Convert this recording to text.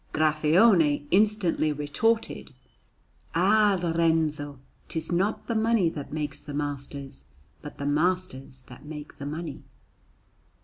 Graffione instantly retorted, "Ah, Lorenzo, 'tis not the money that makes the masters, but the masters that make the money."